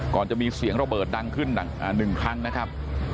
ก่อนจะมีเสียงระเบิดดังขึ้น๑ครั้งนะครับ